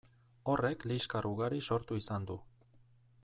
Horrek liskar ugari sortu izan du.